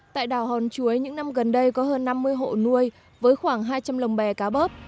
tại đảo hòn chuối những năm gần đây có hơn năm mươi hộ nuôi với khoảng hai trăm linh lồng bè cá bớp